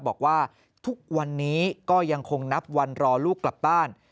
บอกว่าทุกวันนี้ก็ยังคงนับวันรอลูกกลับบ้าน